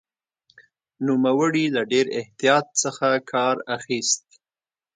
نوموړي له ډېر احتیاط څخه کار اخیست.